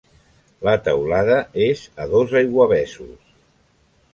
La teulada és a dos aiguavessos.